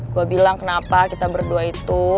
gue bilang kenapa kita berdua itu